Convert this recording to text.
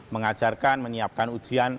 mengajarkan menyiapkan ujian